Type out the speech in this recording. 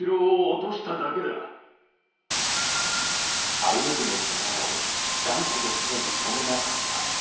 晴信の手柄を断固として認めなかった。